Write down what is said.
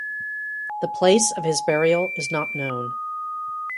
The place of his burial is not known.